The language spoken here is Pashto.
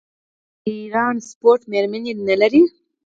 آیا د ایران سپورټ میرمنې نلري؟